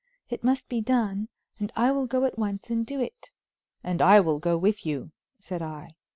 It must be done, and I will go at once and do it." "And I will go with you," said I.